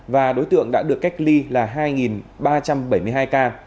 và đối tượng đã được cách ly là hai ba trăm bảy mươi hai ca